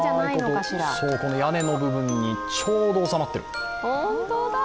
うまいこと屋根の部分にちょうど収まってる。